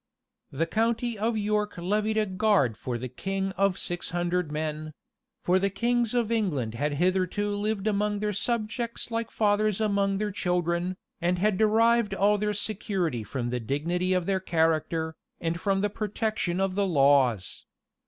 The county of York levied a guard for the king of six hundred men; for the kings of England had hitherto lived among their subjects like fathers among their children, and had derived all their security from the dignity of their character, and from the protection of the laws.